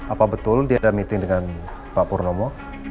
apa betul dia ada meeting dengan pak purnomo